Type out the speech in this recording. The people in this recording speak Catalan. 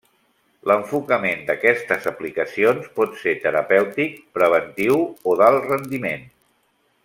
L'enfocament d'aquestes aplicacions pot ser terapèutic, preventiu o d'alt rendiment.